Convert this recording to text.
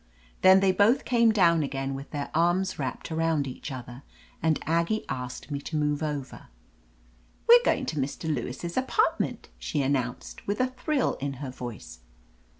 Then they both came down again with their arms wrapped around each other, and Aggie asked me to move over. *'We're going to Mr. Lewis' apartment," she announced, with a thrill in her voice.